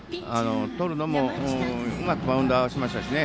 とるのもうまくバウンド合わせましたしね。